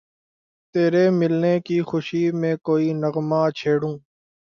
تیرے ملنے کی خوشی میں کوئی نغمہ چھیڑوں